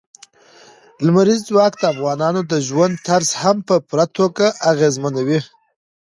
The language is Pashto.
لمریز ځواک د افغانانو د ژوند طرز هم په پوره توګه اغېزمنوي.